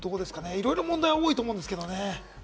いろいろ問題は多いと思うんですけれどもね。